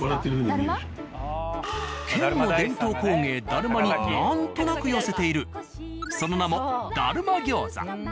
県の伝統工芸だるまに何となく寄せているその名も「だるま餃子」。